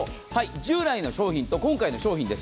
従来の商品と今回の商品です。